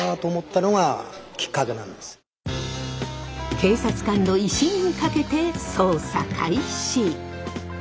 警察官の威信にかけて捜査開始。